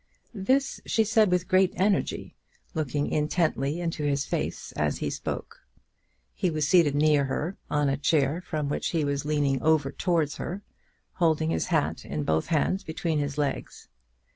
This she said with great energy, looking intently into his face as she spoke. He was seated near her, on a chair from which he was leaning over towards her, holding his hat in both hands between his legs.